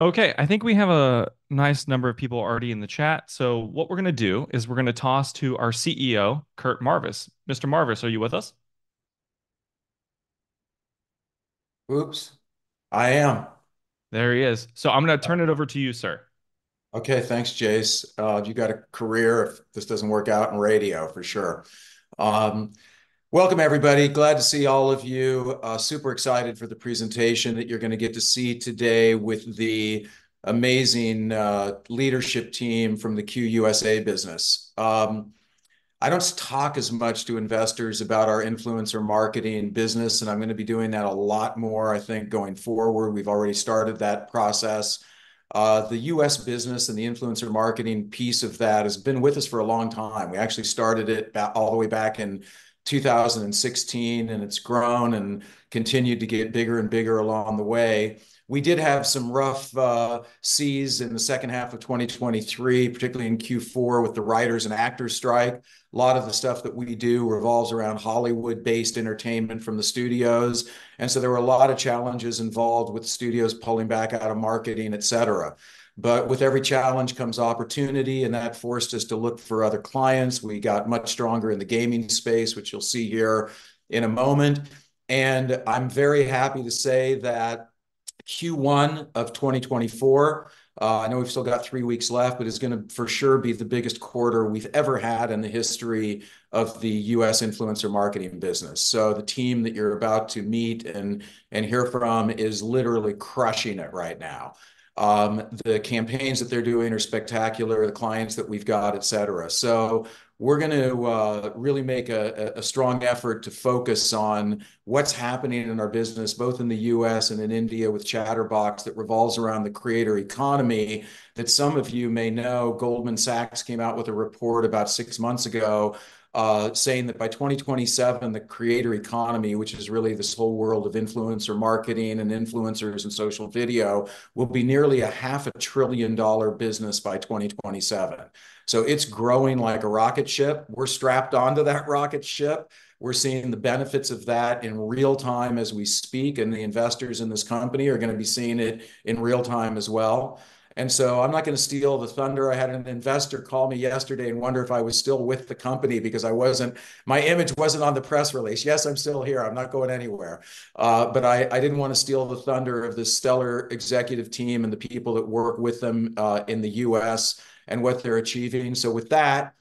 Okay, I think we have a nice number of people already in the chat. So what we're going to do is we're going to toss to our CEO, Curt Marvis. Mr. Marvis, are you with us? Oops. I am. There he is. I'm going to turn it over to you, sir. Okay, thanks, Jace. You got a career if this doesn't work out in radio, for sure. Welcome everybody, glad to see all of you, super excited for the presentation that you're going to get to see today with the amazing leadership team from the QYOU USA business. I don't talk as much to investors about our influencer marketing business, and I'm going to be doing that a lot more, I think, going forward. We've already started that process. The U.S. business and the influencer marketing piece of that has been with us for a long time. We actually started it all the way back in 2016, and it's grown and continued to get bigger and bigger along the way. We did have some rough seas in the second half of 2023, particularly in Q4 with the writers and actors strike. A lot of the stuff that we do revolves around Hollywood-based entertainment from the studios, and so there were a lot of challenges involved with studios pulling back out of marketing, etc. But with every challenge comes opportunity, and that forced us to look for other clients. We got much stronger in the gaming space, which you'll see here in a moment. And I'm very happy to say that Q1 of 2024, I know we've still got three weeks left, but it's going to for sure be the biggest quarter we've ever had in the history of the U.S. influencer marketing business. So the team that you're about to meet and hear from is literally crushing it right now. The campaigns that they're doing are spectacular, the clients that we've got, etc. So we're going to really make a strong effort to focus on what's happening in our business, both in the U.S. and in India with Chtrbox that revolves around the creator economy. That some of you may know, Goldman Sachs came out with a report about six months ago, saying that by 2027, the creator economy, which is really this whole world of influencer marketing and influencers and social video, will be nearly $500 billion business by 2027. So it's growing like a rocket ship. We're strapped onto that rocket ship. We're seeing the benefits of that in real time as we speak, and the investors in this company are going to be seeing it in real time as well. And so I'm not going to steal the thunder. I had an investor call me yesterday and wonder if I was still with the company because I wasn't. My image wasn't on the press release. Yes, I'm still here. I'm not going anywhere. But I didn't want to steal the thunder of this stellar executive team and the people that work with them, in the U.S., and what they're achieving. So with that,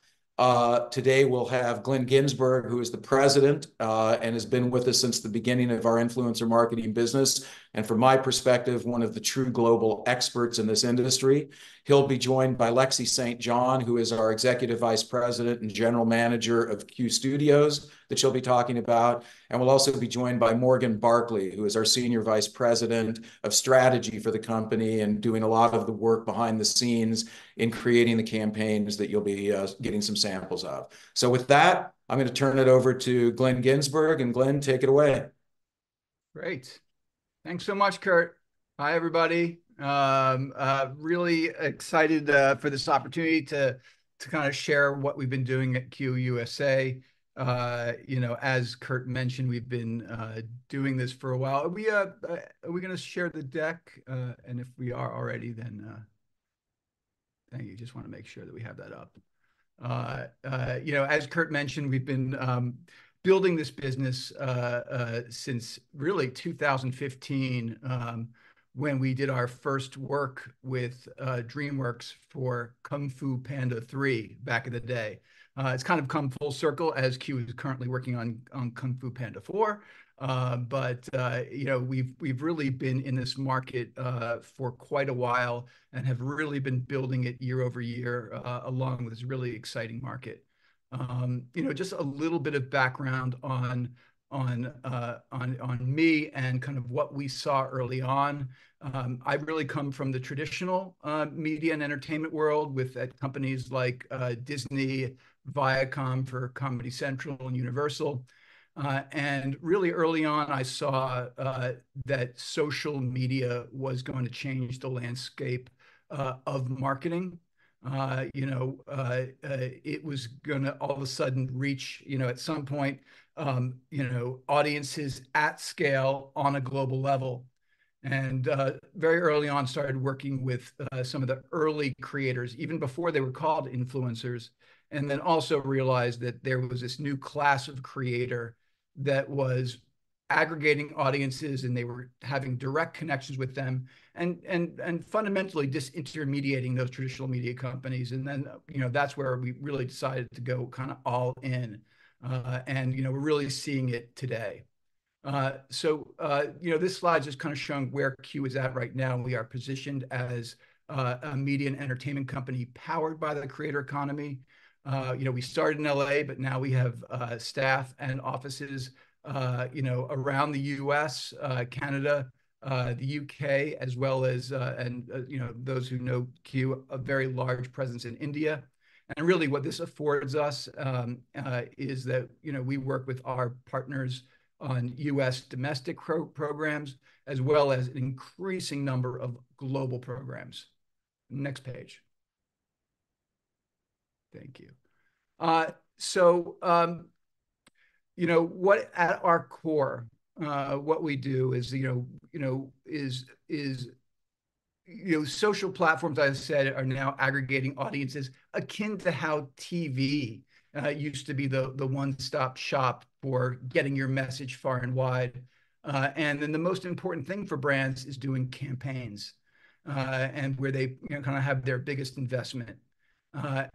today we'll have Glenn Ginsburg, who is the President, and has been with us since the beginning of our influencer marketing business. And from my perspective, one of the true global experts in this industry. He'll be joined by Lexi St. John, who is our Executive Vice President and General Manager of QYOU Studios that she'll be talking about. We'll also be joined by Morgan Barclay, who is our Senior Vice President of Strategy for the company and doing a lot of the work behind the scenes in creating the campaigns that you'll be getting some samples of. With that, I'm going to turn it over to Glenn Ginsburg. Glenn, take it away. Great. Thanks so much, Curt. Hi, everybody. Really excited for this opportunity to kind of share what we've been doing at QYOU USA. You know, as Curt mentioned, we've been doing this for a while. Are we going to share the deck? And if we are already, then thank you. Just want to make sure that we have that up. You know, as Curt mentioned, we've been building this business since really 2015, when we did our first work with DreamWorks for Kung Fu Panda 3 back in the day. It's kind of come full circle as QYOU is currently working on Kung Fu Panda 4. But you know, we've really been in this market for quite a while and have really been building it year over year, along with this really exciting market. You know, just a little bit of background on me and kind of what we saw early on. I've really come from the traditional media and entertainment world with companies like Disney, ViacomCBS for Comedy Central, and Universal. And really early on, I saw that social media was going to change the landscape of marketing. You know, it was going to all of a sudden reach, you know, at some point, you know, audiences at scale on a global level. And very early on started working with some of the early creators, even before they were called influencers, and then also realized that there was this new class of creator that was aggregating audiences and they were having direct connections with them and fundamentally disintermediating those traditional media companies. And then, you know, that's where we really decided to go kind of all in. We're really seeing it today. So, you know, this slide's just kind of showing where QYOU is at right now. We are positioned as a media and entertainment company powered by the creator economy. You know, we started in L.A., but now we have staff and offices, you know, around the U.S., Canada, the U.K., as well as, and, you know, those who know QYOU, a very large presence in India. Really what this affords us is that, you know, we work with our partners on U.S. domestic programs as well as an increasing number of global programs. Next page. Thank you. So, you know, what at our core, what we do is, you know, social platforms, I said, are now aggregating audiences akin to how TV used to be the one-stop shop for getting your message far and wide. And then the most important thing for brands is doing campaigns, and where they, you know, kind of have their biggest investment.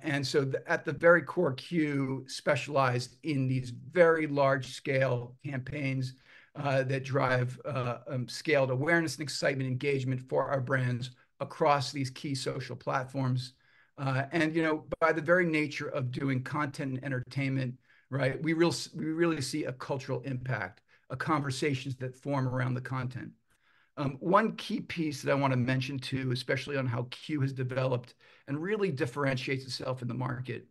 And so at the very core, QYOU specialized in these very large-scale campaigns that drive scaled awareness and excitement engagement for our brands across these key social platforms. And, you know, by the very nature of doing content and entertainment, right, we really see a cultural impact, a conversations that form around the content. One key piece that I want to mention too, especially on how QYOU has developed and really differentiates itself in the market,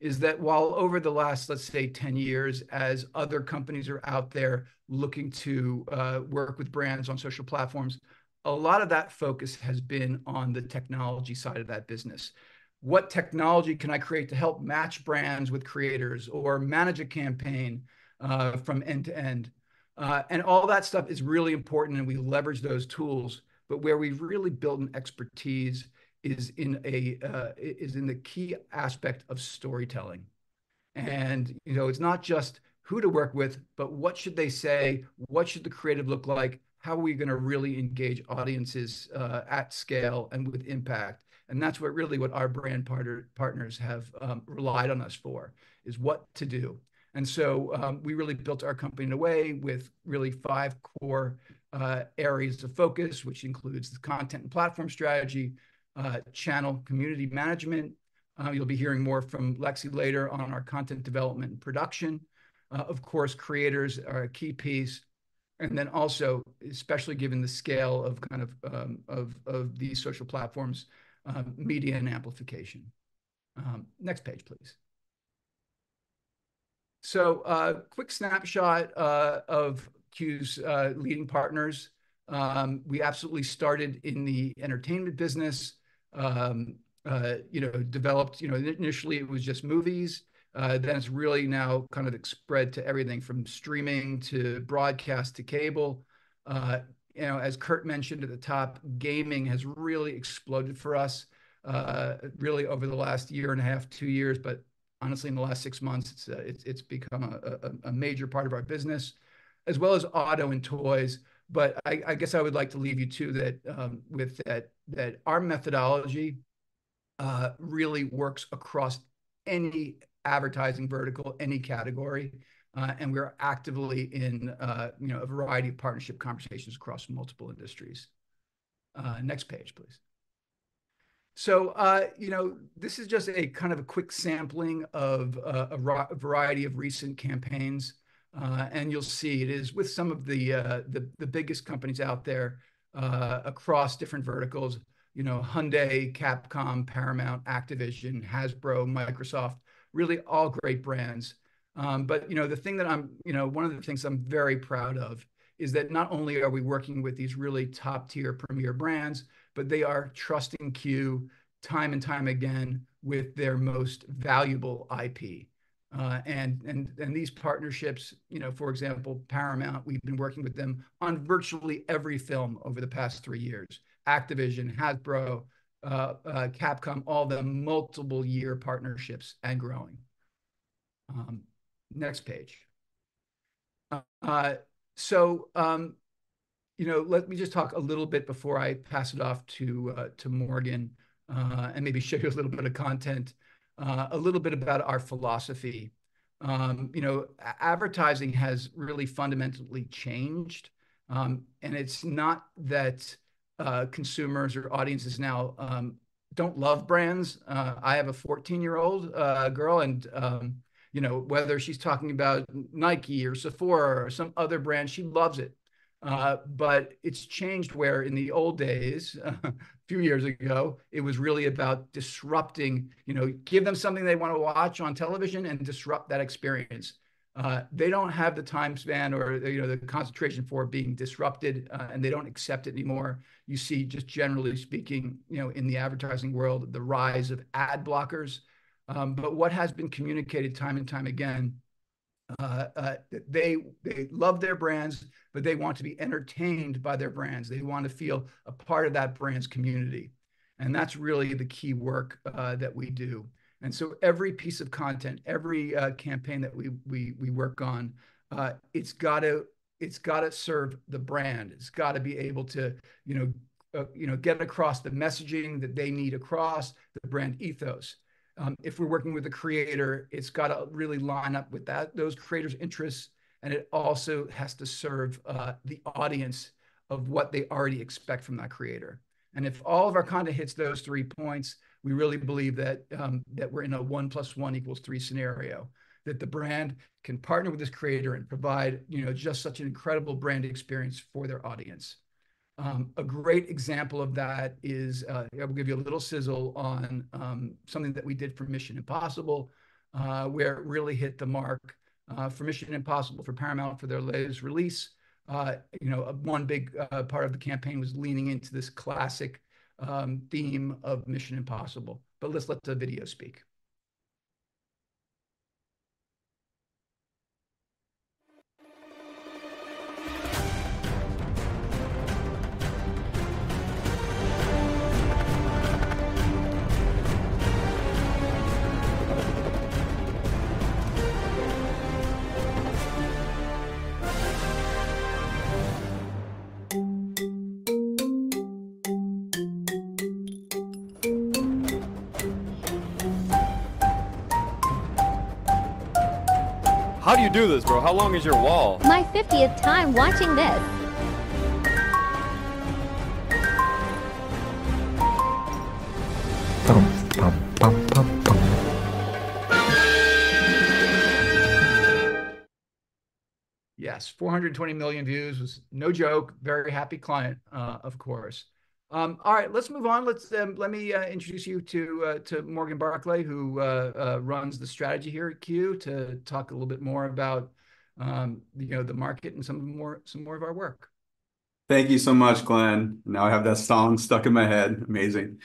is that while over the last, let's say, 10 years, as other companies are out there looking to work with brands on social platforms, a lot of that focus has been on the technology side of that business. What technology can I create to help match brands with creators or manage a campaign, from end to end? And all that stuff is really important, and we leverage those tools, but where we've really built an expertise is in a, is in the key aspect of storytelling. And, you know, it's not just who to work with, but what should they say? What should the creative look like? How are we going to really engage audiences, at scale and with impact? And that's what really what our brand partners have relied on us for is what to do. And so we really built our company in a way with really five core areas of focus, which includes the content and platform strategy, channel, community management. You'll be hearing more from Lexi later on our content development and production. Of course, creators are a key piece. And then also, especially given the scale of kind of these social platforms, media and amplification. Next page, please. Quick snapshot of QYOU's leading partners. We absolutely started in the entertainment business. You know, developed, you know, initially it was just movies. Then it's really now kind of spread to everything from streaming to broadcast to cable. You know, as Curt mentioned at the top, gaming has really exploded for us, really over the last year and a half, two years, but honestly in the last six months it's become a major part of our business, as well as auto and toys. But I guess I would like to leave you to that, with that our methodology really works across any advertising vertical, any category, and we're actively in, you know, a variety of partnership conversations across multiple industries. Next page, please. So, you know, this is just a kind of a quick sampling of a variety of recent campaigns. And you'll see it is with some of the biggest companies out there, across different verticals, you know, Hyundai, Capcom, Paramount, Activision, Hasbro, Microsoft, really all great brands. But you know, the thing that I'm, you know, one of the things I'm very proud of is that not only are we working with these really top-tier premier brands, but they are trusting QYOU time and time again with their most valuable IP. And these partnerships, you know, for example, Paramount, we've been working with them on virtually every film over the past three years. Activision, Hasbro, Capcom, all the multiple-year partnerships and growing. Next page. So, you know, let me just talk a little bit before I pass it off to Morgan, and maybe show you a little bit of content. A little bit about our philosophy. You know, advertising has really fundamentally changed. And it's not that consumers or audiences now don't love brands. I have a 14-year-old girl, and, you know, whether she's talking about Nike or Sephora or some other brand, she loves it. But it's changed where in the old days, a few years ago, it was really about disrupting, you know, give them something they want to watch on television and disrupt that experience. They don't have the time span or, you know, the concentration for it being disrupted, and they don't accept it anymore. You see, just generally speaking, you know, in the advertising world, the rise of ad blockers. But what has been communicated time and time again, they love their brands, but they want to be entertained by their brands. They want to feel a part of that brand's community. And that's really the key work that we do. And so every piece of content, every campaign that we work on, it's got to serve the brand. It's got to be able to, you know, get across the messaging that they need across the brand ethos. If we're working with a creator, it's got to really line up with that creator's interests, and it also has to serve the audience of what they already expect from that creator. And if all of our content hits those three points, we really believe that we're in a one plus one equals three scenario, that the brand can partner with this creator and provide, you know, just such an incredible brand experience for their audience. A great example of that is, I'll give you a little sizzle on something that we did for Mission: Impossible, where it really hit the mark. For Mission: Impossible, for Paramount, for their latest release, you know, one big part of the campaign was leaning into this classic theme of Mission: Impossible. But let's let the video speak. How do you do this, bro? How long is your wall? My 50th time watching this. Yes, 420 million views was no joke. Very happy client, of course. All right, let's move on. Let me introduce you to Morgan Barclay, who runs the strategy here at QYOU to talk a little bit more about, you know, the market and some more of our work. Thank you so much, Glenn. Now I have that song stuck in my head. Amazing.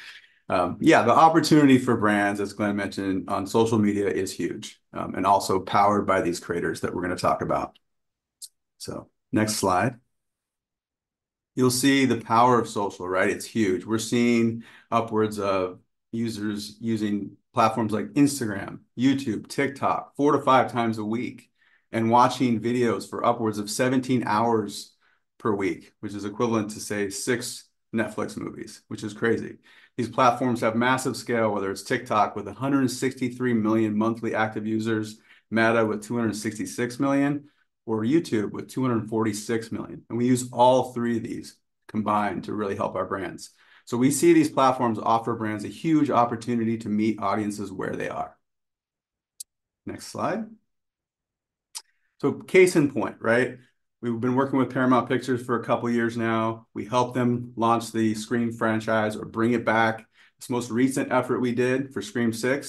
Yeah, the opportunity for brands, as Glenn mentioned, on social media is huge, and also powered by these creators that we're going to talk about. So next slide. You'll see the power of social, right? It's huge. We're seeing upwards of users using platforms like Instagram, YouTube, TikTok, four to five times a week, and watching videos for upwards of 17 hours per week, which is equivalent to, say, six Netflix movies, which is crazy. These platforms have massive scale, whether it's TikTok with 163 million monthly active users, Meta with 266 million, or YouTube with 246 million. And we use all three of these combined to really help our brands. So we see these platforms offer brands a huge opportunity to meet audiences where they are. Next slide. So case in point, right? We've been working with Paramount Pictures for a couple of years now. We helped them launch the Scream franchise or bring it back. This most recent effort we did for Scream VI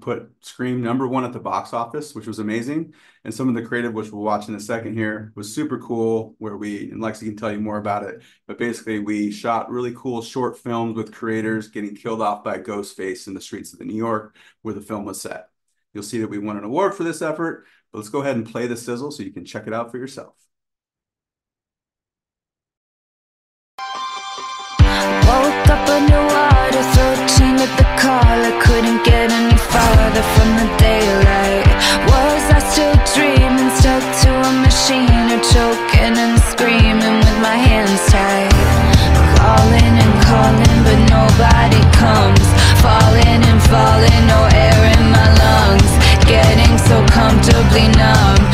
put Scream number one at the box office, which was amazing. Some of the creative, which we'll watch in a second here, was super cool, where we, and Lexi can tell you more about it, but basically we shot really cool short films with creators getting killed off by Ghostface in the streets of New York where the film was set. You'll see that we won an award for this effort, but let's go ahead and play the sizzle so you can check it out for yourself. Woke up underwater, throat chained at the collar, couldn't get any farther from the daylight. Was I still dreaming, stuck to a machine, or choking and screaming with my hands tied? Calling and calling, but nobody comes. Falling and falling, no air in my lungs. Getting so comfortably numb.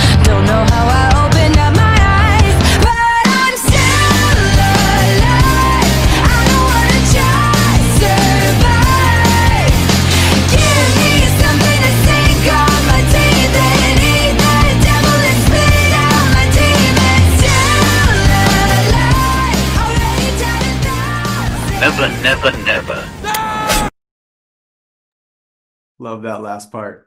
Don't know how I opened up my eyes, but I'm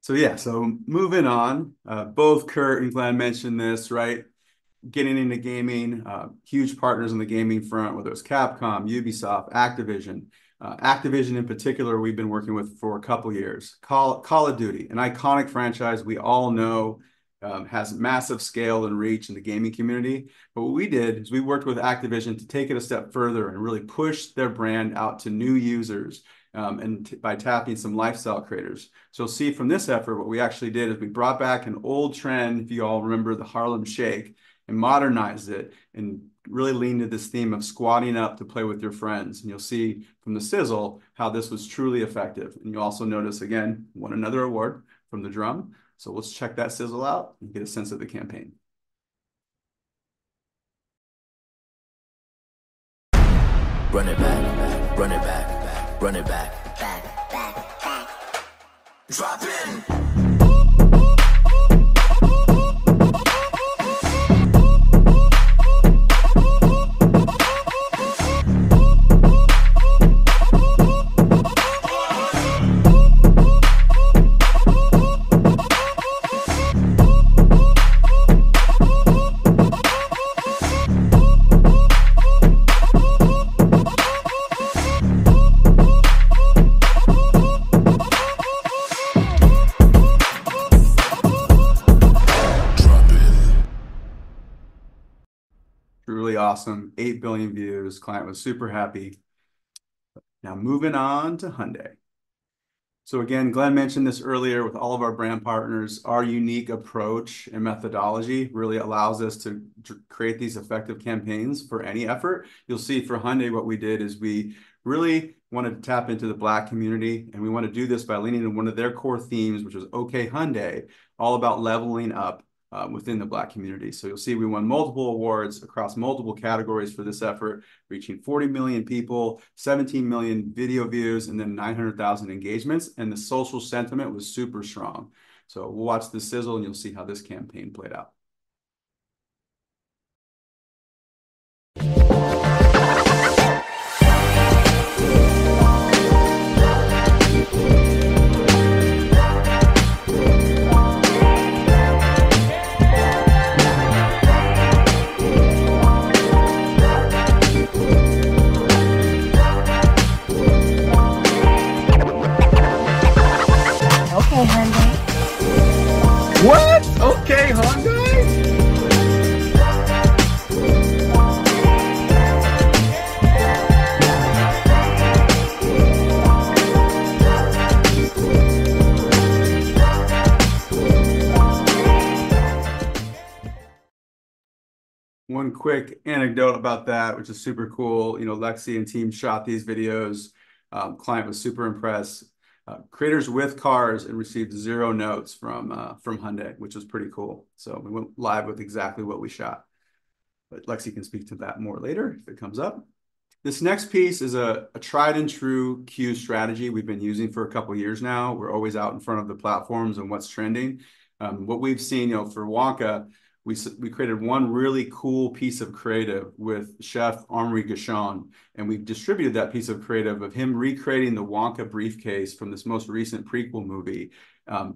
still alive. I don't want to just survive. Give me something to sink on my. Breathe and eat the devil and spit out my demons. Still alive, already dead a thousand. Never, never, never. Love that last part. So yeah, so moving on, both Curt and Glenn mentioned this, right? Getting into gaming, huge partners on the gaming front, whether it's Capcom, Ubisoft, Activision. Activision in particular, we've been working with for a couple of years. Call of Duty, an iconic franchise we all know, has massive scale and reach in the gaming community. But what we did is we worked with Activision to take it a step further and really push their brand out to new users, and by tapping some lifestyle creators. So you'll see from this effort what we actually did is we brought back an old trend, if you all remember the Harlem Shake, and modernized it and really leaned to this theme of squadding up to play with your friends. And you'll see from the sizzle how this was truly effective. You'll also notice, again, we won another award from The Drum. So let's check that sizzle out and get a sense of the campaign. Truly awesome. 8 billion views. Client was super happy. Now moving on to Hyundai. So again, Glenn mentioned this earlier with all of our brand partners. Our unique approach and methodology really allows us to create these effective campaigns for any effort. You'll see for Hyundai what we did is we really wanted to tap into the Black community, and we want to do this by leaning on one of their core themes, which is OKAY Hyundai, all about leveling up within the Black community. So you'll see we won multiple awards across multiple categories for this effort, reaching 40 million people, 17 million video views, and then 900,000 engagements. And the social sentiment was super strong. We'll watch the sizzle and you'll see how this campaign played out. OKAY Hyundai. What? OKAY Hyundai? One quick anecdote about that, which is super cool. You know, Lexi and team shot these videos. Client was super impressed. Creators with cars and received zero notes from Hyundai, which was pretty cool. So we went live with exactly what we shot. But Lexi can speak to that more later if it comes up. This next piece is a tried and true Q strategy we've been using for a couple of years now. We're always out in front of the platforms and what's trending. What we've seen, you know, for Wonka, we created one really cool piece of creative with Chef Amaury Guichon, and we've distributed that piece of creative of him recreating the Wonka briefcase from this most recent prequel movie,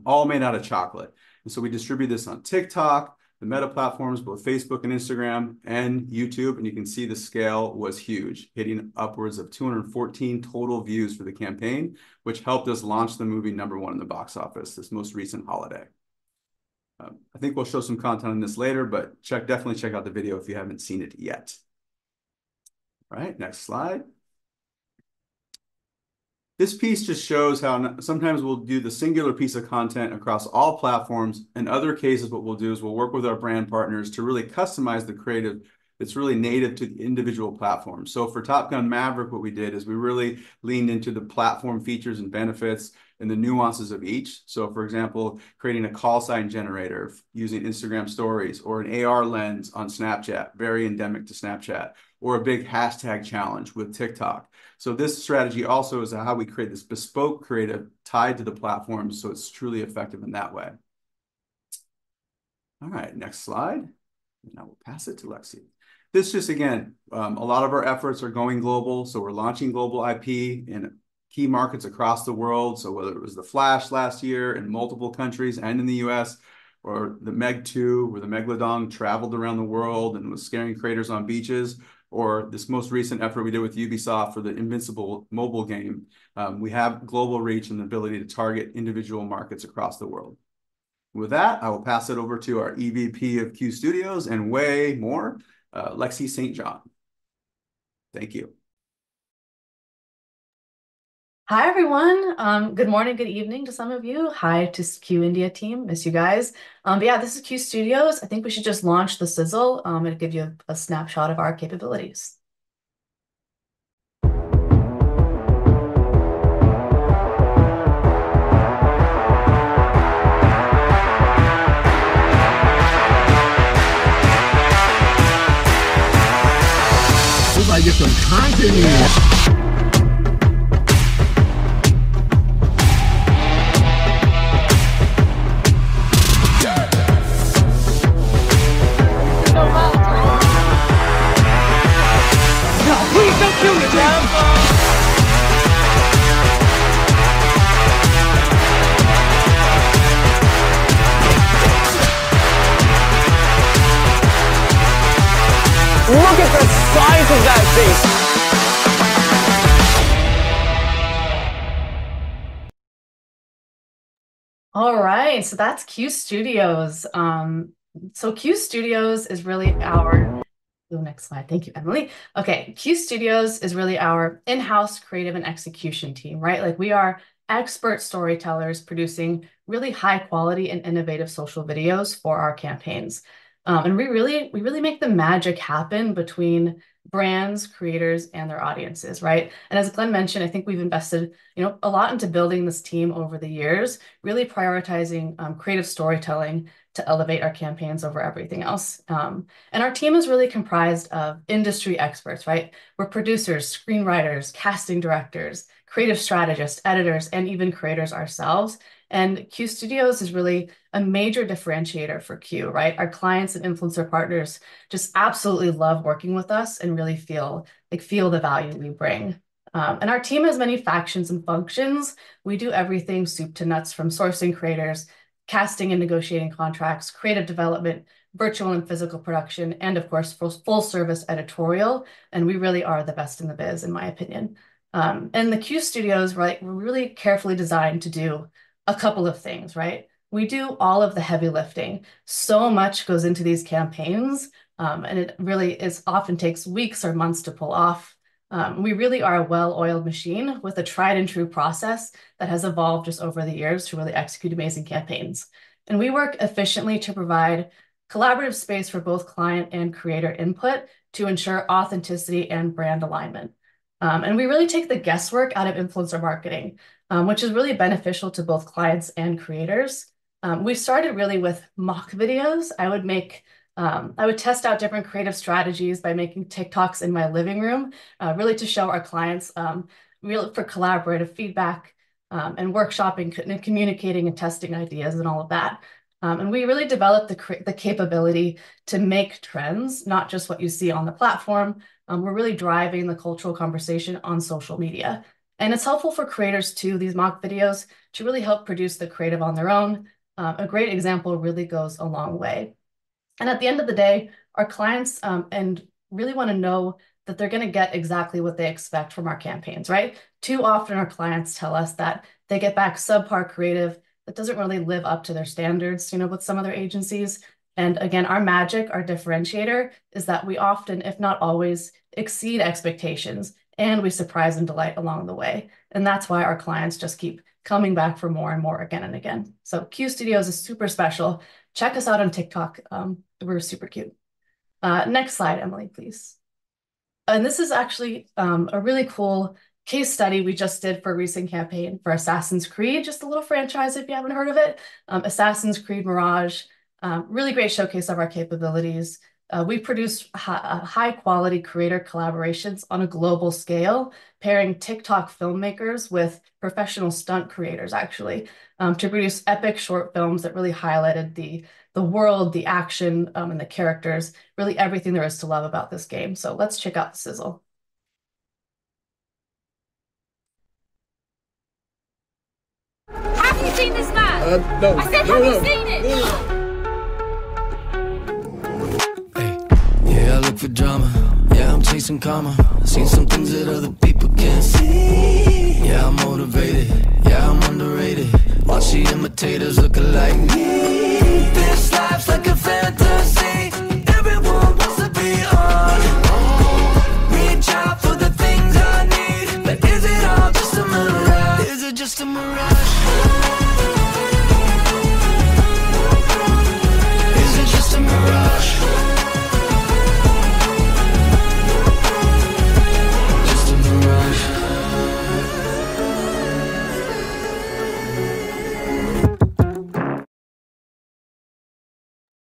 all made out of chocolate. And so we distributed this on TikTok, the Meta platforms, both Facebook and Instagram, and YouTube. You can see the scale was huge, hitting upwards of 214 total views for the campaign, which helped us launch the movie number one in the box office this most recent holiday. I think we'll show some content on this later, but check definitely check out the video if you haven't seen it yet. All right, next slide. This piece just shows how sometimes we'll do the singular piece of content across all platforms. In other cases, what we'll do is we'll work with our brand partners to really customize the creative that's really native to the individual platform. For Top Gun: Maverick, what we did is we really leaned into the platform features and benefits and the nuances of each. So, for example, creating a call sign generator using Instagram Stories or an AR lens on Snapchat, very endemic to Snapchat, or a big hashtag challenge with TikTok. So this strategy also is how we create this bespoke creative tied to the platform so it's truly effective in that way. All right, next slide. And now we'll pass it to Lexi. This just, again, a lot of our efforts are going global. So we're launching global IP in key markets across the world. So whether it was The Flash last year in multiple countries and in the U.S., or The Meg 2, where the Megalodon traveled around the world and was scaring creators on beaches, or this most recent effort we did with Ubisoft for the Invincible mobile game, we have global reach and the ability to target individual markets across the world. With that, I will pass it over to our EVP of QYOU Studios and way more, Lexi St. John. Thank you. Hi everyone. Good morning, good evening to some of you. Hi to QYOU India team. Miss you guys. But yeah, this is QYOU Studios. I think we should just launch the sizzle. It'll give you a snapshot of our capabilities. We might get some content. No, please don't kill me, please. Look at the size of that beast. All right, so that's QYOU Studios. So QYOU Studios is really our. Next slide. Thank you, Emily. Okay, QYOU Studios is really our in-house creative and execution team, right? Like, we are expert storytellers producing really high-quality and innovative social videos for our campaigns. We really—we really make the magic happen between brands, creators, and their audiences, right? As Glenn mentioned, I think we've invested, you know, a lot into building this team over the years, really prioritizing creative storytelling to elevate our campaigns over everything else. Our team is really comprised of industry experts, right? We're producers, screenwriters, casting directors, creative strategists, editors, and even creators ourselves. QYOU Studios is really a major differentiator for QYOU Media, right? Our clients and influencer partners just absolutely love working with us and really feel—like feel the value we bring. Our team has many factions and functions. We do everything soup to nuts from sourcing creators, casting and negotiating contracts, creative development, virtual and physical production, and of course, full-service editorial. And we really are the best in the biz, in my opinion. And the QYOU Studios, right, we're really carefully designed to do a couple of things, right? We do all of the heavy lifting. So much goes into these campaigns, and it really often takes weeks or months to pull off. We really are a well-oiled machine with a tried and true process that has evolved just over the years to really execute amazing campaigns. And we work efficiently to provide collaborative space for both client and creator input to ensure authenticity and brand alignment. And we really take the guesswork out of influencer marketing, which is really beneficial to both clients and creators. We started really with mock videos. I would make, I would test out different creative strategies by making TikToks in my living room, really to show our clients, really for collaborative feedback, and workshopping and communicating and testing ideas and all of that. And we really developed the capability to make trends, not just what you see on the platform. We're really driving the cultural conversation on social media. And it's helpful for creators too, these mock videos, to really help produce the creative on their own. A great example really goes a long way. And at the end of the day, our clients really want to know that they're going to get exactly what they expect from our campaigns, right? Too often, our clients tell us that they get back subpar creative that doesn't really live up to their standards, you know, with some other agencies. And again, our magic, our differentiator, is that we often, if not always, exceed expectations, and we surprise and delight along the way. And that's why our clients just keep coming back for more and more again and again. So QYOU Studios is super special. Check us out on TikTok. We're super cute. Next slide, Emily, please. And this is actually a really cool case study we just did for a recent campaign for Assassin's Creed, just a little franchise if you haven't heard of it. Assassin's Creed Mirage, really great showcase of our capabilities. We produced high-quality creator collaborations on a global scale, pairing TikTok filmmakers with professional stunt creators, actually, to produce epic short films that really highlighted the world, the action, and the characters, really everything there is to love about this game. So let's check out the sizzle. Have you seen this mask? no. I said you haven't seen it. No, no. Hey, yeah, I look for drama. Yeah, I'm chasing karma. Seen some things that other people can't see. Yeah, I'm motivated. Yeah, I'm underrated. Watch the imitators look alike. This life's like a fantasy. Everyone wants to be on. Reach out for the things I need. But is it all just a mirage? Is it just a mirage? Is it just a mirage? Just a mirage.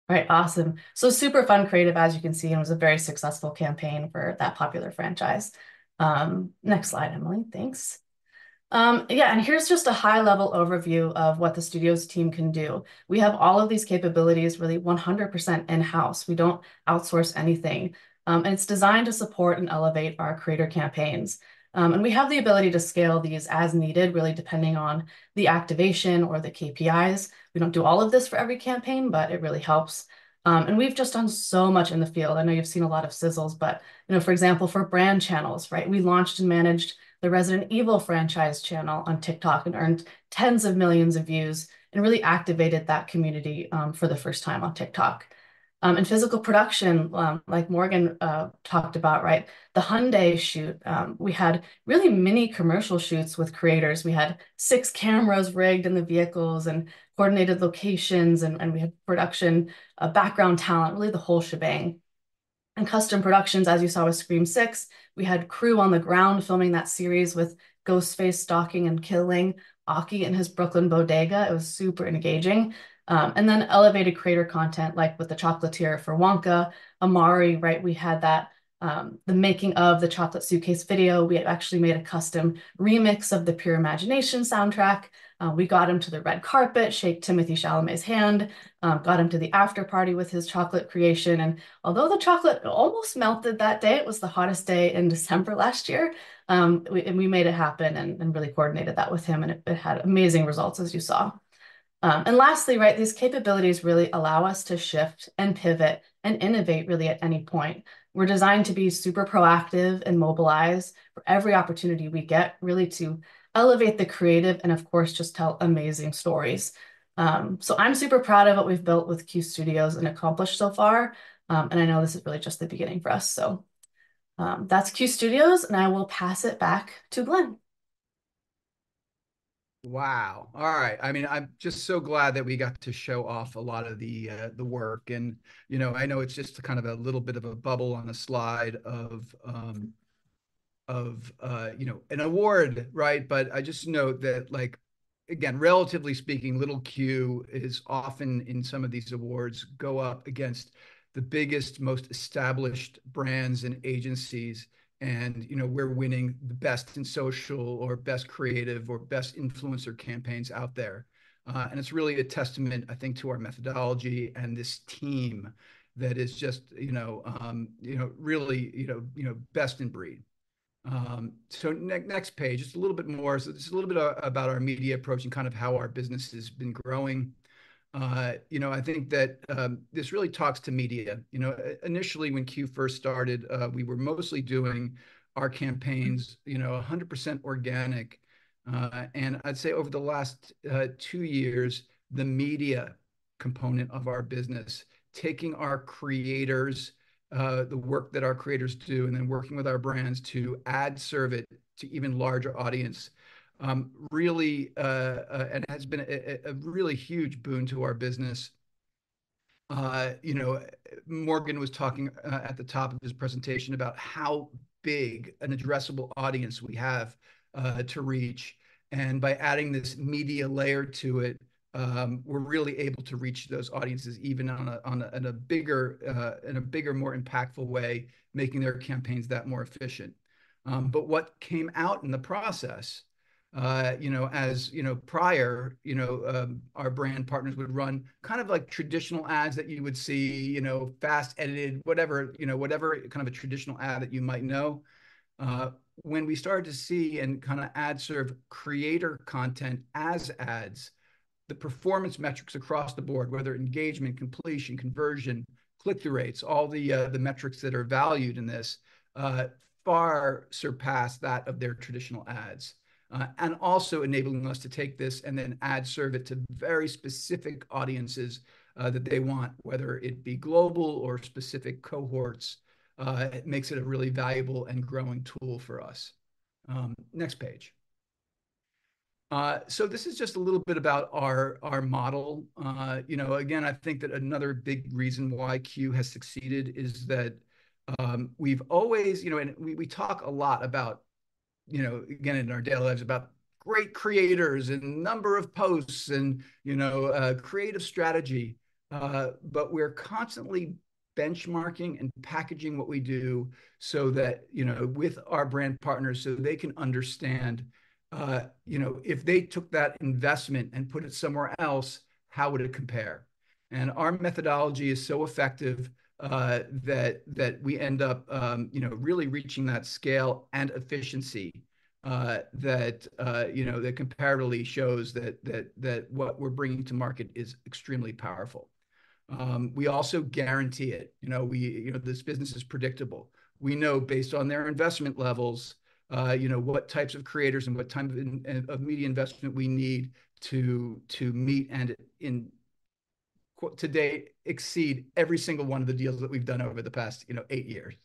All right, awesome. So super fun creative, as you can see, and was a very successful campaign for that popular franchise. Next slide, Emily, thanks. Yeah, and here's just a high-level overview of what the studio's team can do. We have all of these capabilities really 100% in-house. We don't outsource anything. It's designed to support and elevate our creator campaigns. We have the ability to scale these as needed, really depending on the activation or the KPIs. We don't do all of this for every campaign, but it really helps. We've just done so much in the field. I know you've seen a lot of sizzles, but you know, for example, for brand channels, right, we launched and managed the Resident Evil franchise channel on TikTok and earned tens of millions of views and really activated that community, for the first time on TikTok. Physical production, like Morgan talked about, right, the Hyundai shoot, we had really mini commercial shoots with creators. We had six cameras rigged in the vehicles and coordinated locations, and we had production, background talent, really the whole shebang. Custom productions, as you saw with Scream VI, we had crew on the ground filming that series with Ghostface stalking and killing Ocky in his Brooklyn bodega. It was super engaging. Then elevated creator content, like with the chocolatier for Wonka, Amaury, right, we had that, the making of the chocolate suitcase video. We actually made a custom remix of the Pure Imagination soundtrack. We got him to the red carpet, shaked Timothée Chalamet's hand, got him to the afterparty with his chocolate creation. And although the chocolate almost melted that day, it was the hottest day in December last year. And we made it happen and really coordinated that with him, and it had amazing results, as you saw. Lastly, right, these capabilities really allow us to shift and pivot and innovate really at any point. We're designed to be super proactive and mobilize for every opportunity we get, really to elevate the creative and, of course, just tell amazing stories. I'm super proud of what we've built with Q Studios and accomplished so far. I know this is really just the beginning for us. That's QYOU Studios, and I will pass it back to Glenn. Wow. All right. I mean, I'm just so glad that we got to show off a lot of the work. And, you know, I know it's just kind of a little bit of a bubble on the slide of you know, an award, right? But I just note that, like, again, relatively speaking, Little QYOU is often in some of these awards go up against the biggest, most established brands and agencies. And, you know, we're winning the best in social or best creative or best influencer campaigns out there. And it's really a testament, I think, to our methodology and this team that is just, you know, you know, really, you know, you know, best in breed. So next page, just a little bit more. So just a little bit about our media approach and kind of how our business has been growing. You know, I think that this really talks to media. You know, initially when QYOU first started, we were mostly doing our campaigns, you know, 100% organic. And I'd say over the last two years, the media component of our business, taking our creators, the work that our creators do, and then working with our brands to ad serve it to even larger audience, really, and has been a really huge boon to our business. You know, Morgan was talking at the top of his presentation about how big an addressable audience we have to reach. And by adding this media layer to it, we're really able to reach those audiences even on a bigger, in a bigger, more impactful way, making their campaigns that more efficient. But what came out in the process, you know, as, you know, prior, you know, our brand partners would run kind of like traditional ads that you would see, you know, fast edited, whatever, you know, whatever kind of a traditional ad that you might know. When we started to see and kind of ad serve creator content as ads, the performance metrics across the board, whether engagement, completion, conversion, click-through rates, all the, the metrics that are valued in this, far surpassed that of their traditional ads. And also enabling us to take this and then ad serve it to very specific audiences, that they want, whether it be global or specific cohorts, it makes it a really valuable and growing tool for us. Next page. So this is just a little bit about our model. You know, again, I think that another big reason why QYOU has succeeded is that, we've always, you know, and we talk a lot about, you know, again, in our daily lives about great creators and number of posts and, you know, creative strategy. But we're constantly benchmarking and packaging what we do so that, you know, with our brand partners, so they can understand, you know, if they took that investment and put it somewhere else, how would it compare? And our methodology is so effective, that that we end up, you know, really reaching that scale and efficiency, that, you know, that comparably shows that what we're bringing to market is extremely powerful. We also guarantee it. You know, we, you know, this business is predictable. We know based on their investment levels, you know, what types of creators and what type of media investment we need to meet and today exceed every single one of the deals that we've done over the past, you know, eight years.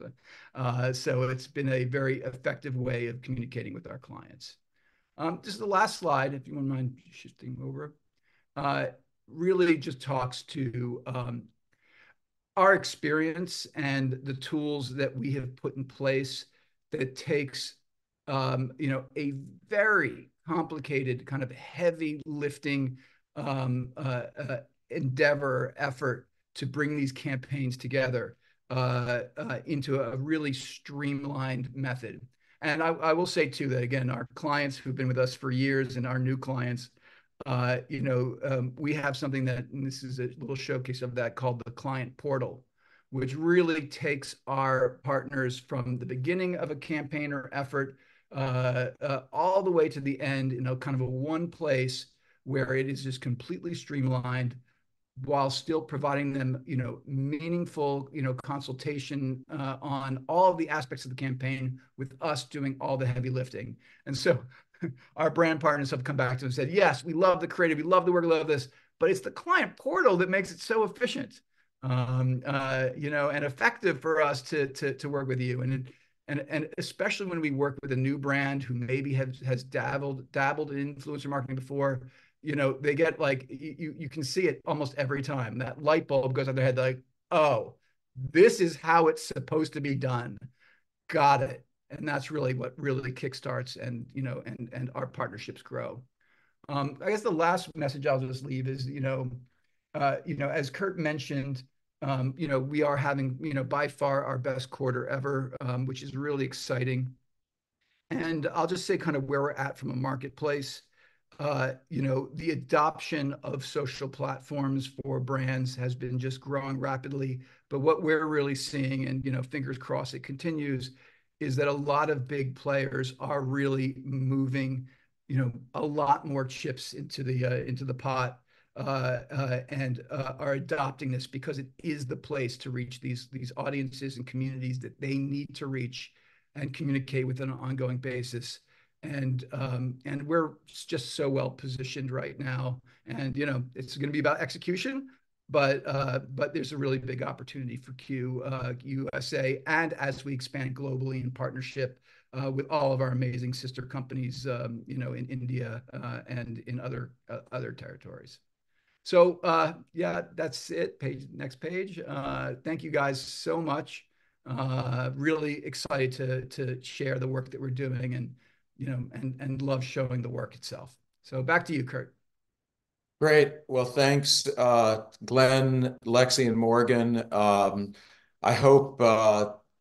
So it's been a very effective way of communicating with our clients. This is the last slide, if you wouldn't mind shifting over. Really just talks to our experience and the tools that we have put in place that takes, you know, a very complicated kind of heavy lifting, endeavor, effort to bring these campaigns together, into a really streamlined method. And I will say too that, again, our clients who've been with us for years and our new clients, you know, we have something that, and this is a little showcase of that called the Client Portal, which really takes our partners from the beginning of a campaign or effort, all the way to the end, you know, kind of a one place where it is just completely streamlined while still providing them, you know, meaningful, you know, consultation, on all of the aspects of the campaign with us doing all the heavy lifting. And so our brand partners have come back to us and said, yes, we love the creative, we love the work, we love this, but it's the Client Portal that makes it so efficient, you know, and effective for us to work with you. And especially when we work with a new brand who maybe has dabbled in influencer marketing before, you know, they get like you can see it almost every time. That light bulb goes on their head like, oh, this is how it's supposed to be done. Got it. And that's really what kickstarts and, you know, our partnerships grow. I guess the last message I'll just leave is, you know, as Curt mentioned, you know, we are having, you know, by far our best quarter ever, which is really exciting. And I'll just say kind of where we're at from a marketplace. You know, the adoption of social platforms for brands has been just growing rapidly. But what we're really seeing, and, you know, fingers crossed it continues, is that a lot of big players are really moving, you know, a lot more chips into the pot, and are adopting this because it is the place to reach these audiences and communities that they need to reach and communicate with an ongoing basis. And we're just so well positioned right now. And, you know, it's going to be about execution. But there's a really big opportunity for QYOU USA. And as we expand globally in partnership with all of our amazing sister companies, you know, in India and in other territories. So yeah, that's it. Page. Next page. Thank you guys so much. Really excited to share the work that we're doing and, you know, and love showing the work itself. So back to you, Curt. Great. Well, thanks. Glenn, Lexi, and Morgan. I hope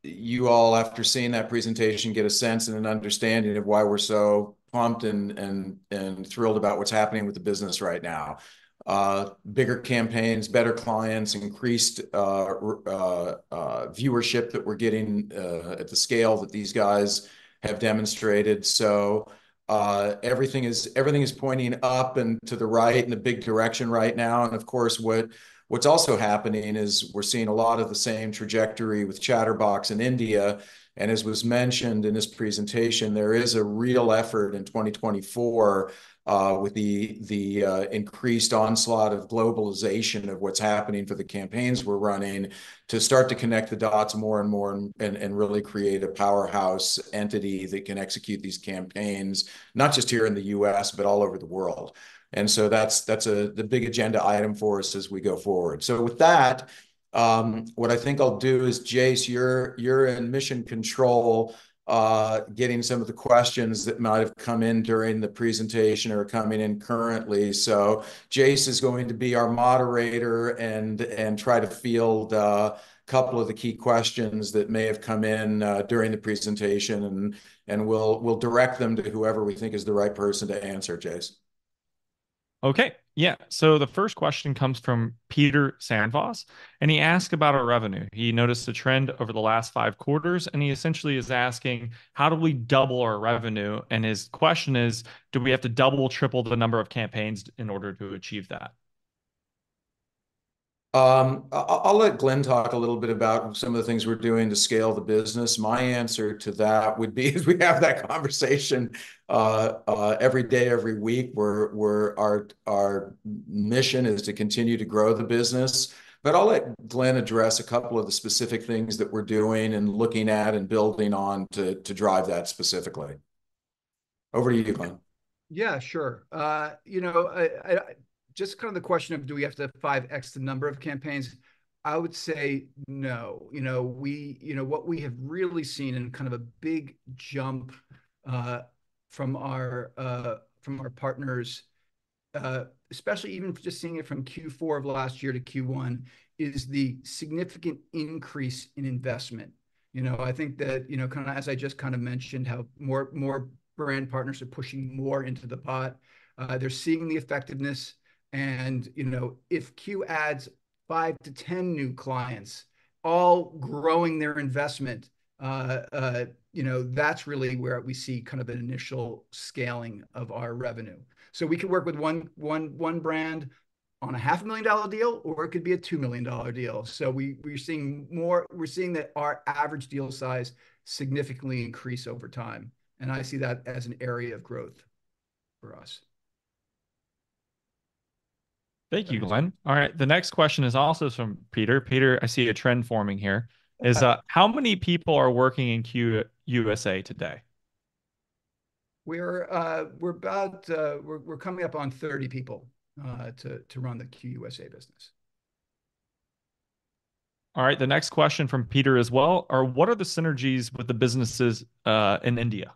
you all, after seeing that presentation, get a sense and an understanding of why we're so pumped and thrilled about what's happening with the business right now. Bigger campaigns, better clients, increased viewership that we're getting at the scale that these guys have demonstrated. So everything is pointing up and to the right in the big direction right now. And of course, what's also happening is we're seeing a lot of the same trajectory with Chtrbox in India. As was mentioned in this presentation, there is a real effort in 2024 with the increased onslaught of globalization of what's happening for the campaigns we're running to start to connect the dots more and more and really create a powerhouse entity that can execute these campaigns, not just here in the U.S., but all over the world. So that's a big agenda item for us as we go forward. So with that, what I think I'll do is, Jace, you're in mission control getting some of the questions that might have come in during the presentation or coming in currently. So Jace is going to be our moderator and try to field a couple of the key questions that may have come in during the presentation, and we'll direct them to whoever we think is the right person to answer, Jace. Okay. Yeah. So the first question comes from Peter Sandvoss, and he asked about our revenue. He noticed a trend over the last five quarters, and he essentially is asking, how do we double our revenue? And his question is, do we have to double, triple the number of campaigns in order to achieve that? I'll let Glenn talk a little bit about some of the things we're doing to scale the business. My answer to that would be is we have that conversation every day, every week where our mission is to continue to grow the business. But I'll let Glenn address a couple of the specific things that we're doing and looking at and building on to drive that specifically. Over to you, Glenn. Yeah, sure. You know, I just kind of the question of do we have to 5x the number of campaigns? I would say no. You know, what we have really seen in kind of a big jump from our partners, especially even just seeing it from Q4 of last year to Q1, is the significant increase in investment. You know, I think that, you know, kind of as I just kind of mentioned, how more brand partners are pushing more into the pot, they're seeing the effectiveness. And, you know, if QYOU adds five to 10 new clients, all growing their investment, you know, that's really where we see kind of an initial scaling of our revenue. So we can work with one brand on a $500,000 deal, or it could be a $2 million deal. So we're seeing that our average deal size significantly increase over time. And I see that as an area of growth for us. Thank you, Glenn. All right. The next question is also from Peter. Peter, I see a trend forming here. How many people are working in QYOU USA today? We're about coming up on 30 people to run the QYOU USA business. All right. The next question from Peter as well are, what are the synergies with the businesses in India?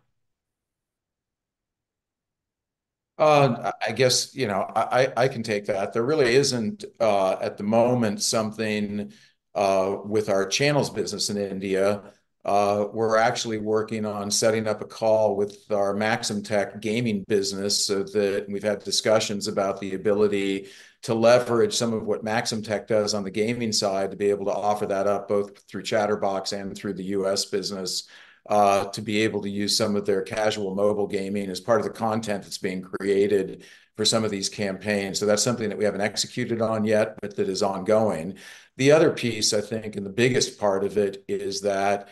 I guess, you know, I can take that. There really isn't at the moment something with our channels business in India. We're actually working on setting up a call with our Maxamtech gaming business so that we've had discussions about the ability to leverage some of what Maxamtech does on the gaming side to be able to offer that up both through Chtrbox and through the U.S. business, to be able to use some of their casual mobile gaming as part of the content that's being created for some of these campaigns. So that's something that we haven't executed on yet, but that is ongoing. The other piece, I think, and the biggest part of it is that,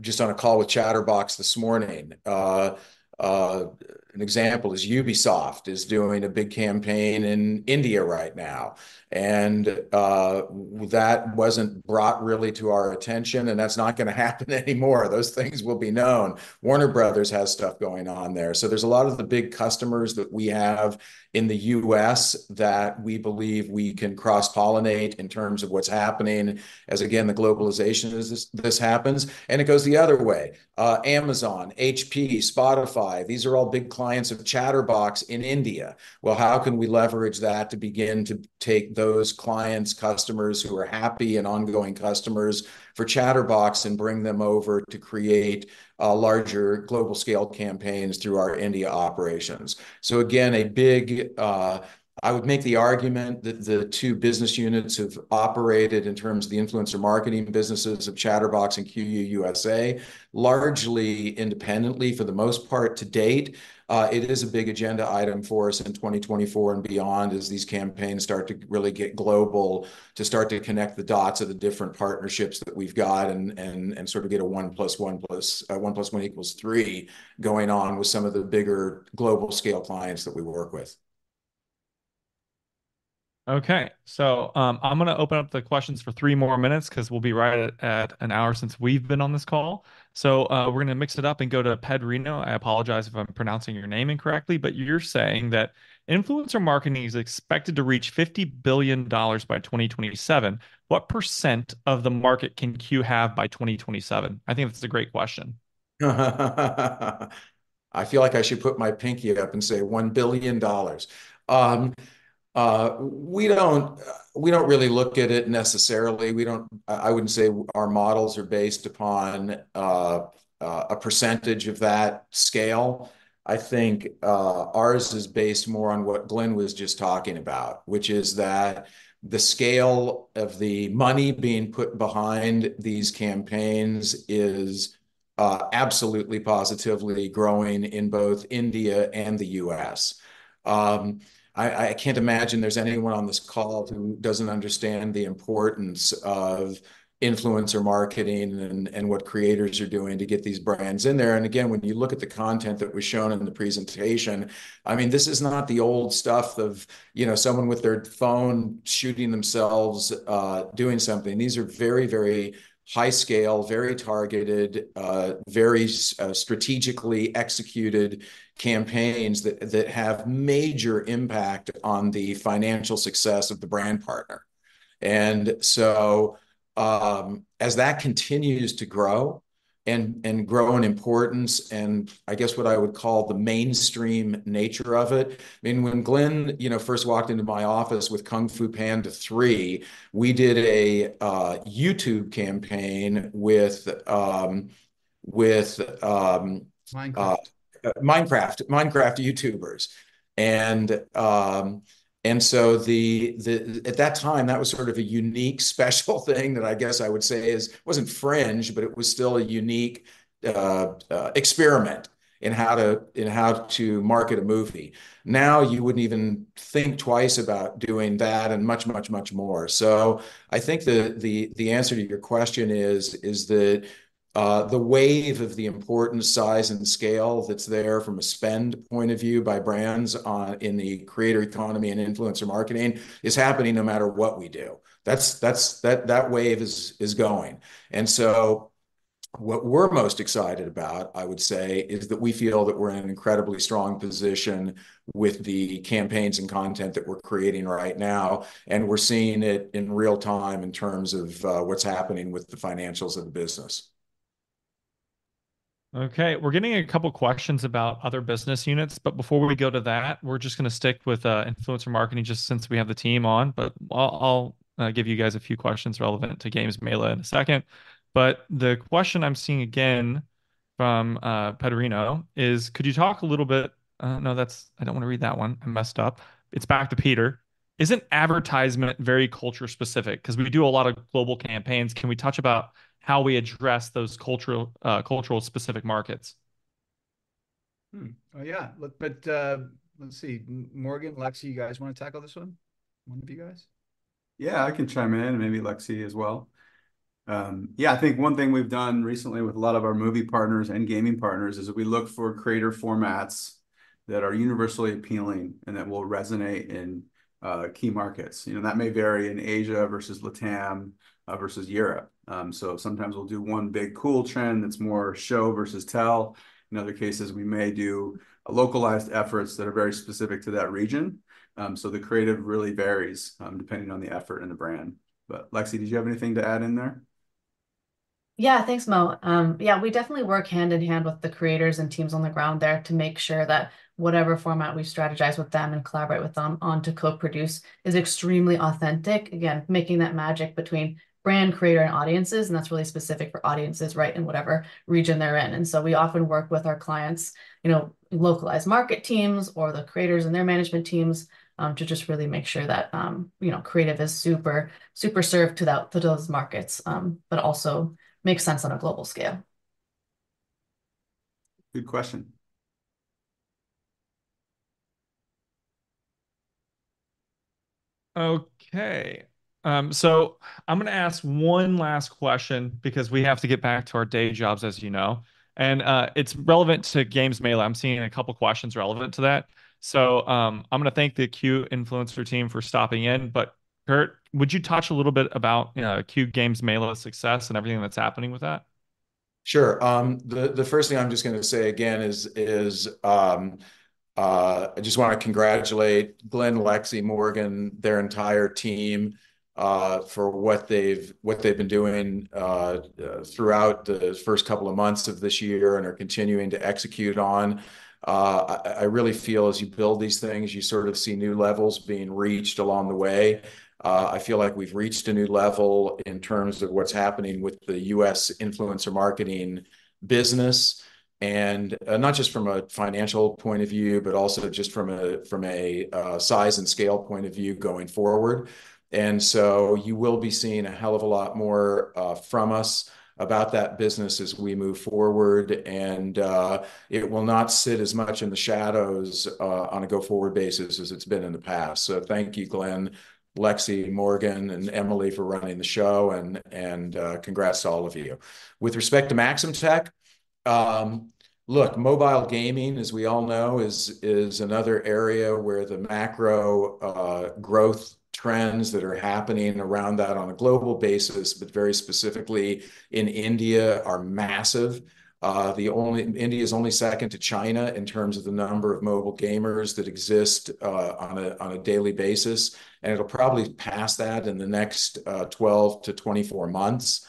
just on a call with Chtrbox this morning, an example is Ubisoft is doing a big campaign in India right now. That wasn't brought really to our attention, and that's not going to happen anymore. Those things will be known. Warner Bros. has stuff going on there. So there's a lot of the big customers that we have in the U.S. that we believe we can cross-pollinate in terms of what's happening as, again, the globalization is this this happens. And it goes the other way. Amazon, HP, Spotify, these are all big clients of Chtrbox in India. Well, how can we leverage that to begin to take those clients, customers who are happy and ongoing customers for Chtrbox and bring them over to create larger global scaled campaigns through our India operations? So again, a big, I would make the argument that the two business units have operated in terms of the influencer marketing businesses of Chtrbox and QYOU USA, largely independently for the most part to date. It is a big agenda item for us in 2024 and beyond as these campaigns start to really get global, to start to connect the dots of the different partnerships that we've got and sort of get a one plus one plus one plus one equals three going on with some of the bigger global scale clients that we work with. Okay. So I'm going to open up the questions for three more minutes because we'll be right at an hour since we've been on this call. So we're going to mix it up and go to Pedrino. I apologize if I'm pronouncing your name incorrectly, but you're saying that influencer marketing is expected to reach $50 billion by 2027. What percent of the market can QYOU have by 2027? I think that's a great question. I feel like I should put my pinky up and say $1 billion. We don't really look at it necessarily. We don't. I wouldn't say our models are based upon a percentage of that scale. I think ours is based more on what Glenn was just talking about, which is that the scale of the money being put behind these campaigns is absolutely positively growing in both India and the U.S. I can't imagine there's anyone on this call who doesn't understand the importance of influencer marketing and what creators are doing to get these brands in there. And again, when you look at the content that was shown in the presentation, I mean, this is not the old stuff of, you know, someone with their phone shooting themselves doing something. These are very, very high scale, very targeted, very strategically executed campaigns that have major impact on the financial success of the brand partner. And so as that continues to grow and grow in importance, and I guess what I would call the mainstream nature of it, I mean, when Glenn, you know, first walked into my office with Kung Fu Panda 3, we did a YouTube campaign with Minecraft YouTubers. And so the at that time, that was sort of a unique, special thing that I guess I would say wasn't fringe, but it was still a unique experiment in how to market a movie. Now you wouldn't even think twice about doing that and much, much, much more. So I think the answer to your question is that the wave of the importance, size, and scale that's there from a spend point of view by brands on in the creator economy and influencer marketing is happening no matter what we do. That's that wave is going. And so what we're most excited about, I would say, is that we feel that we're in an incredibly strong position with the campaigns and content that we're creating right now. And we're seeing it in real time in terms of what's happening with the financials of the business. Okay. We're getting a couple of questions about other business units, but before we go to that, we're just going to stick with influencer marketing just since we have the team on. But I'll give you guys a few questions relevant to Q GamesMela in a second. But the question I'm seeing again from Pedrino is, could you talk a little bit? No, that's. I don't want to read that one. I messed up. It's back to Peter. Isn't advertisement very culture specific? Because we do a lot of global campaigns. Can we touch about how we address those cultural specific markets? Yeah. But let's see. Morgan, Lexi, you guys want to tackle this one? One of you guys? Yeah, I can chime in and maybe Lexi as well. Yeah, I think one thing we've done recently with a lot of our movie partners and gaming partners is that we look for creator formats that are universally appealing and that will resonate in key markets. You know, that may vary in Asia versus Latin America versus Europe. So sometimes we'll do one big cool trend that's more show versus tell. In other cases, we may do localized efforts that are very specific to that region. So the creative really varies depending on the effort and the brand. But Lexi, did you have anything to add in there? Yeah, thanks, Mo. Yeah, we definitely work hand in hand with the creators and teams on the ground there to make sure that whatever format we strategize with them and collaborate with them on to co-produce is extremely authentic. Again, making that magic between brand, creator, and audiences, and that's really specific for audiences, right, in whatever region they're in. And so we often work with our clients, you know, localized market teams or the creators and their management teams to just really make sure that, you know, creative is super super served to those markets, but also makes sense on a global scale. Good question. Okay. So I'm going to ask one last question because we have to get back to our day jobs, as you know. It's relevant to Q GamesMela. I'm seeing a couple of questions relevant to that. So I'm going to thank the QYOU influencer team for stopping in. But Curt, would you touch a little bit about Q GamesMela's success and everything that's happening with that? Sure. The first thing I'm just going to say again is I just want to congratulate Glenn, Lexi, Morgan, their entire team for what they've been doing throughout the first couple of months of this year and are continuing to execute on. I really feel as you build these things, you sort of see new levels being reached along the way. I feel like we've reached a new level in terms of what's happening with the U.S. influencer marketing business, and not just from a financial point of view, but also just from a size and scale point of view going forward. So you will be seeing a hell of a lot more from us about that business as we move forward, and it will not sit as much in the shadows on a go forward basis as it's been in the past. So thank you, Glenn, Lexi, Morgan, and Emily for running the show, and congrats to all of you. With respect to Maxamtech, look, mobile gaming, as we all know, is another area where the macro growth trends that are happening around that on a global basis, but very specifically in India, are massive. India is only second to China in terms of the number of mobile gamers that exist on a daily basis, and it'll probably pass that in the next 12 to 24 months.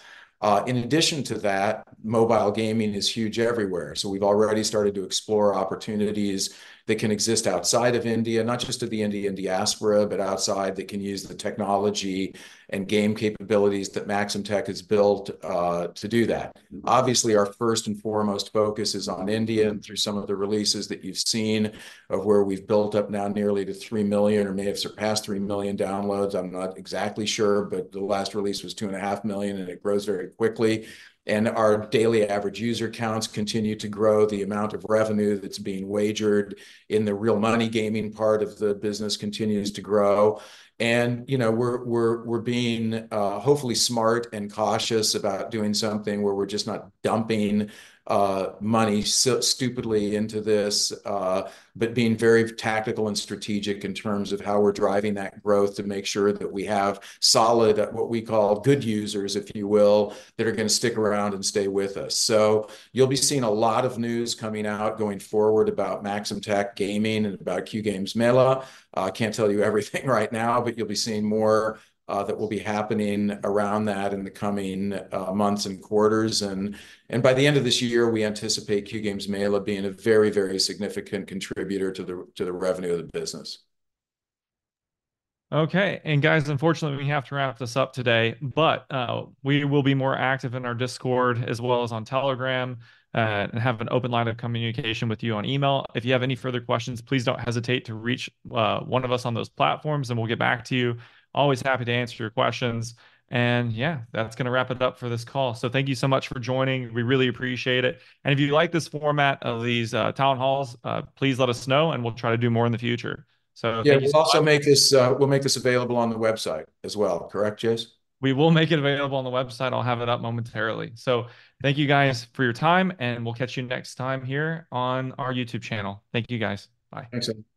In addition to that, mobile gaming is huge everywhere. So we've already started to explore opportunities that can exist outside of India, not just at the Indian diaspora, but outside that can use the technology and game capabilities that Maxamtech has built to do that. Obviously, our first and foremost focus is on India and through some of the releases that you've seen of where we've built up now nearly to 3 million or may have surpassed 3 million downloads. I'm not exactly sure, but the last release was 2.5 million, and it grows very quickly. Our daily average user counts continue to grow. The amount of revenue that's being wagered in the real money gaming part of the business continues to grow. You know, we're being hopefully smart and cautious about doing something where we're just not dumping money stupidly into this, but being very tactical and strategic in terms of how we're driving that growth to make sure that we have solid, what we call good users, if you will, that are going to stick around and stay with us. So you'll be seeing a lot of news coming out going forward about Maxamtech gaming and about Q GamesMela. I can't tell you everything right now, but you'll be seeing more that will be happening around that in the coming months and quarters. And by the end of this year, we anticipate Q GamesMela being a very, very significant contributor to the revenue of the business. Okay. And guys, unfortunately, we have to wrap this up today, but we will be more active in our Discord as well as on Telegram and have an open line of communication with you on email. If you have any further questions, please don't hesitate to reach one of us on those platforms, and we'll get back to you. Always happy to answer your questions. And yeah, that's going to wrap it up for this call. So thank you so much for joining. We really appreciate it. And if you like this format of these town halls, please let us know, and we'll try to do more in the future. So thank you. Yeah, we'll also make this available on the website as well, correct, Jace? We will make it available on the website. I'll have it up momentarily. So thank you guys for your time, and we'll catch you next time here on our YouTube channel. Thank you guys. Bye. Thanks, everyone.